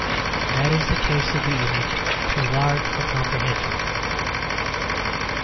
That is the case of the image too large for comprehension.